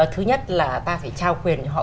thứ nhất là ta phải trao quyền cho họ